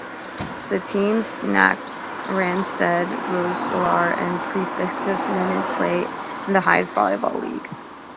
The teams Knack Randstad Roeselare and Prefaxis Menen play in the highest volleyball league.